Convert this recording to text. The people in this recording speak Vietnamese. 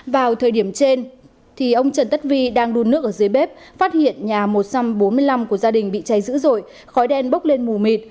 vào thời điểm trên ông trần tất vi đang đun nước ở dưới bếp phát hiện nhà một trăm bốn mươi năm của gia đình bị cháy dữ dội khói đen bốc lên mù mịt